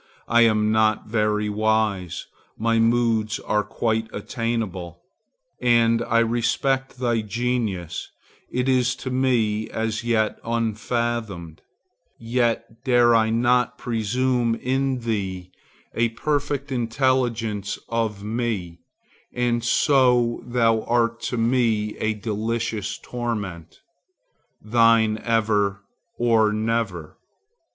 I am not very wise; my moods are quite attainable, and I respect thy genius; it is to me as yet unfathomed; yet dare I not presume in thee a perfect intelligence of me, and so thou art to me a delicious torment. Thine ever, or never.